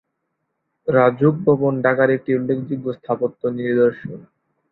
রাজউক ভবন ঢাকার একটি উল্লেখযোগ্য স্থাপত্য নিদর্শন।